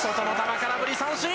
空振り三振。